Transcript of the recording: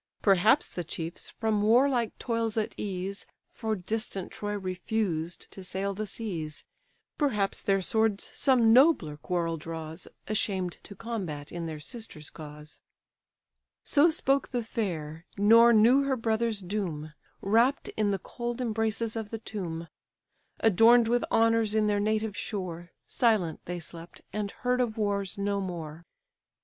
Perhaps the chiefs, from warlike toils at ease, For distant Troy refused to sail the seas; Perhaps their swords some nobler quarrel draws, Ashamed to combat in their sister's cause." So spoke the fair, nor knew her brothers' doom; Wrapt in the cold embraces of the tomb; Adorn'd with honours in their native shore, Silent they slept, and heard of wars no more.